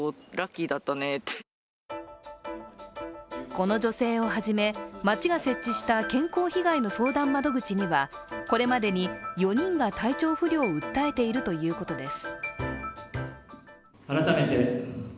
この女性をはじめ、町が設置した健康被害の相談窓口にはこれまでに４人が体調不良を訴えているということです。